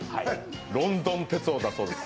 ロンドン哲夫だそうです。